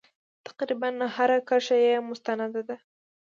تقریبا هره کرښه یې مستنده ده.